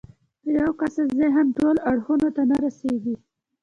د يوه کس ذهن ټولو اړخونو ته نه رسېږي.